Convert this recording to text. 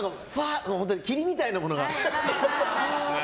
本当に霧みたいなものが。